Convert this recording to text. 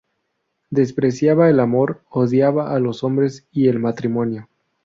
Despreciaba el amor, odiaba a los hombres y el matrimonio.